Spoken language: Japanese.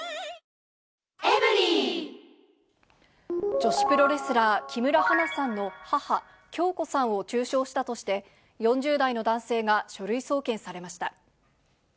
女子プロレスラー、木村花さんの母、響子さんを中傷したとして、４０代の男性が書類送検されました。